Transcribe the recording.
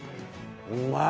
うまい。